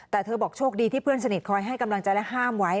แต่เธอบอกโชคดีที่เพื่อนสนิทคอยให้กำลังใจและห้ามไว้